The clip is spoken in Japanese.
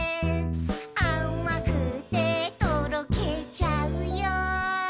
「あまくてとろけちゃうよ」